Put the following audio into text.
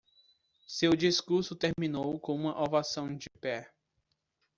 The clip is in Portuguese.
Seu discurso terminou com uma ovação de pé.